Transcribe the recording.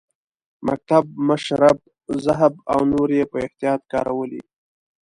مکتب، مشرب، ذهب او نور یې په احتیاط کارولي.